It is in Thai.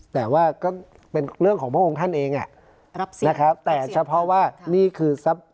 แต่ว่าก็เป็นเรื่องของพระองค์ท่านเองนะครับแต่เฉพาะว่านี่คือทรัพย